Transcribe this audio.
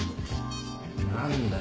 何だよ。